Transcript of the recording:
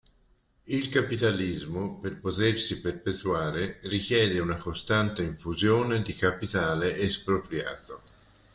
Il capitalismo, per potersi perpetuare, richiede una costante infusione di capitale espropriato.